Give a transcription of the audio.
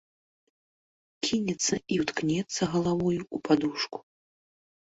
Кінецца і ўткнецца галавою ў падушку.